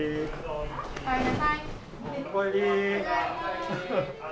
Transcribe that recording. お帰り。